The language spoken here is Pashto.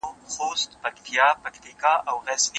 آیینې ولي مي خوبونه د لحد ویښوې